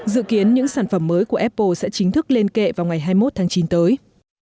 dự kiến những sản phẩm mới của apple sẽ chính thức lên kệ vào ngày hai mươi một tháng chín tới